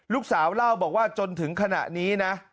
ลูกสาวเล่าบอกว่าจนถึงขณะนี้นะ